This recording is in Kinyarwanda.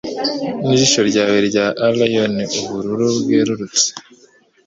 Nijisho ryawe rya Aryan, ubururu bwerurutse.